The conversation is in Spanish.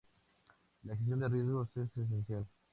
La gestión de riesgos es esencial.